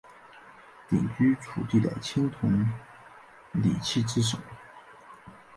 鼎居楚地的青铜礼器之首。